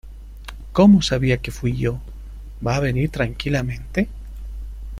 ¿ Cómo sabía que fui yo? ¿ va a venir tranquilamente ?